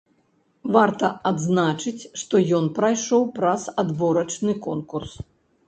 Варта адзначыць, што ён прайшоў праз адборачны конкурс.